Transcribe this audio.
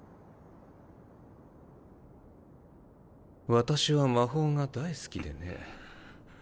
私は魔法が大好きでね。